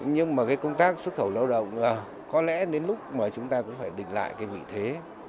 nhưng mà cái công tác xuất khẩu lao động có lẽ đến lúc mà chúng ta cũng phải định lại cái vị thế